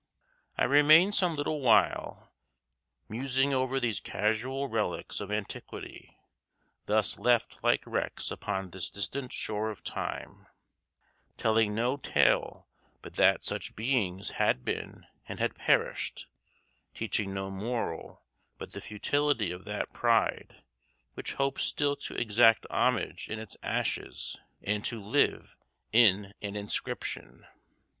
I remained some little while, musing over these casual relics of antiquity thus left like wrecks upon this distant shore of time, telling no tale but that such beings had been and had perished, teaching no moral but the futility of that pride which hopes still to exact homage in its ashes and to live in an inscription.